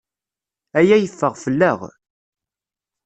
Aya yeffeɣ fell-aɣ.